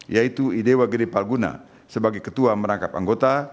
yaitu idewa gede palguna sebagai ketua merangkap anggota